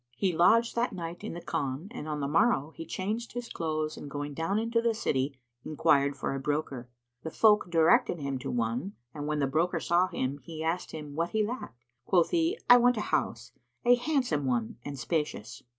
He lodged that night in the Khan and on the morrow, he changed his clothes and going down into the city, enquired for a broker. The folk directed him to one, and when the broker saw him, he asked him what he lacked. Quoth he, "I want a house, a handsome one and a spacious."